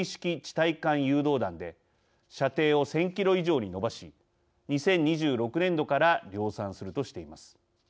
対艦誘導弾で射程を１０００キロ以上に伸ばし２０２６年度から量産するとしています。